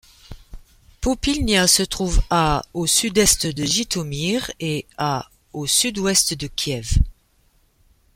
Popilnia se trouve à au sud-est de Jytomyr et à au sud-ouest de Kiev.